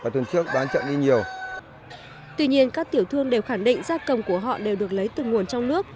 tuy nhiên các tiểu thương đều khẳng định gia công của họ đều được lấy từ nguồn trong nước